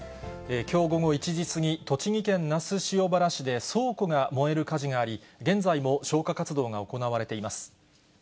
きょう午後１時過ぎ、栃木県那須塩原市で倉庫が燃える火事があり、現在も消火活動が行われています。